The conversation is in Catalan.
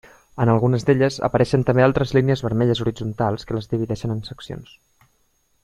En algunes d'elles apareixen també altres línies vermelles horitzontals que les divideixen en seccions.